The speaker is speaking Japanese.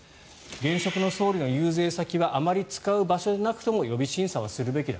現職の総理の遊説先はあまり使う場所でなくても予備審査はするべきだ。